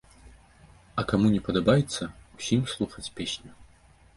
А каму не падабаецца, усім слухаць песню.